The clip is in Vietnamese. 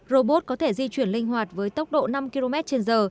robot có thể di chuyển linh hoạt với tốc độ năm km trên giờ